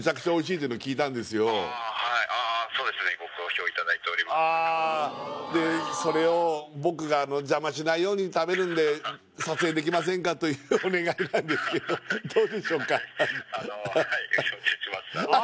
そうですねそれを僕がじゃましないように食べるんで撮影できませんかというお願いなんですけどどうでしょうか？